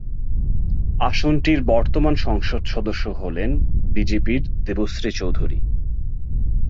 আসনটির বর্তমান সংসদ সদস্য হলেন বিজেপি-র দেবশ্রী চৌধুরী।